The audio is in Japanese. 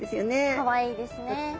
かわいいですね。